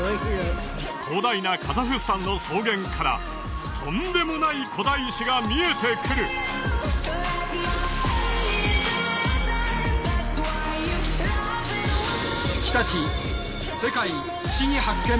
広大なカザフスタンの草原からとんでもない古代史が見えてくるさあ